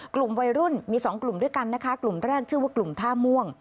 กลุ่มวัยรุ่นมีสองกลุ่มด้วยกันนะคะกลุ่มแรกชื่อว่ากลุ่มท่าม่วง